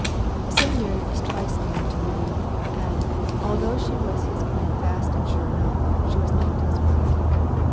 So Mary was twice married to Louis, and, although she was his queen fast and sure enough, she was not his wife.